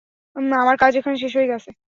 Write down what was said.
আমার কাজ এখানে শেষ হয়ে গেছে।